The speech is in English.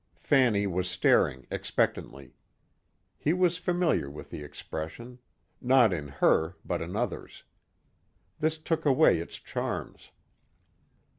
Fanny was staring expectantly. He was familiar with the expression. Not in her, but in others. This took away its charms.